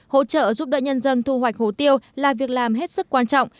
hỗ trợ giúp đỡ nhân dân thu hoạch hồ tiêu là việc làm hết sức quan trọng